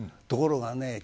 ところがね